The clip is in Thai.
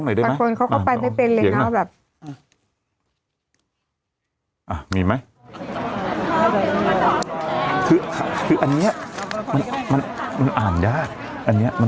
ทำงานครบ๒๐ปีได้เงินชดเฉยเลิกจ้างไม่น้อยกว่า๔๐๐วัน